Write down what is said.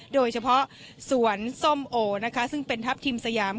โดยเฉพาะสวนส้มโอนะคะซึ่งเป็นทัพทิมสยาม